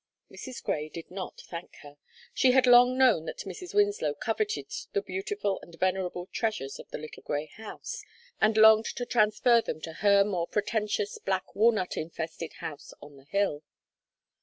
Mrs. Grey did not thank her; she had long known that Mrs. Winslow coveted the beautiful and venerable treasures of the little grey house, and longed to transfer them to her more pretentious, black walnut infested house on the hill.